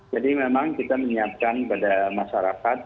jadi memang kita menyiapkan kepada masyarakat